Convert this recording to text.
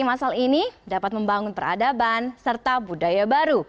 masal ini dapat membangun peradaban serta budaya baru